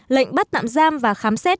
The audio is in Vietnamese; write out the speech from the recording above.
lệnh bắt nạm giam và khám xét